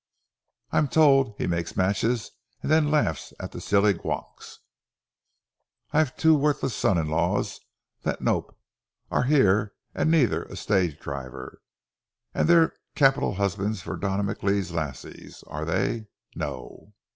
I'm told he mak's matches and then laughs at the silly gowks. I've twa worthless sons in law the noo, are here an' anither a stage driver. Aye, they 're capital husbands for Donald McLeod's lassies, are they no?